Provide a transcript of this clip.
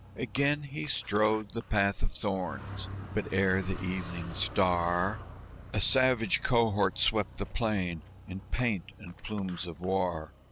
Again he strode the path of thorns; but ere the evening star A savage cohort swept the plain in paint and plumes of war.